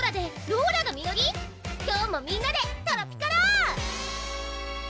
今日もみんなでトロピカろう！